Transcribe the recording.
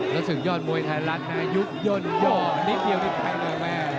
รู้สึกยอดมวยไทยรัฐนะยุกยนต์โย่นิดเดียวนิดไปเลยแม่